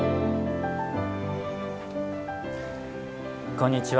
こんにちは。